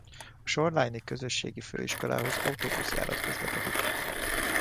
A Shoreline-i Közösségi Főiskolához autóbuszjárat közlekedik.